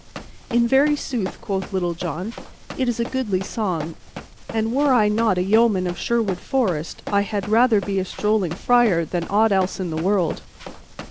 "In very sooth," quoth Little John, "it is a goodly song, and, were I not a yeoman of Sherwood Forest, I had rather be a strolling friar than aught else in the world."